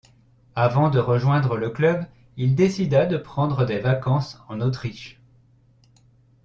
Avant de rejoindre le club, il décida de prendre des vacances en Autriche.